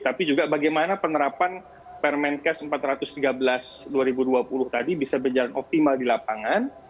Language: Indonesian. tapi juga bagaimana penerapan permenkes empat ratus tiga belas dua ribu dua puluh tadi bisa berjalan optimal di lapangan